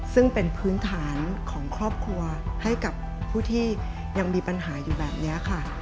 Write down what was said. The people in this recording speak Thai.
ซึ่งเป็นพื้นฐานของครอบครัวให้กับผู้ที่ยังมีปัญหาอยู่แบบนี้ค่ะ